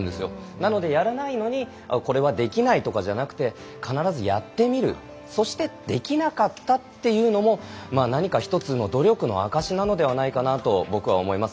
なので、やらないのにこれはできないとかじゃなくて必ずやってみる、そしてできなかったというのも何か一つの努力のあかしなのではないかなと僕は思います。